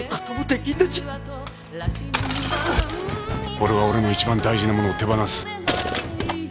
俺は俺のいちばん大事なものを手放す。